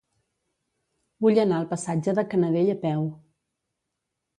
Vull anar al passatge de Canadell a peu.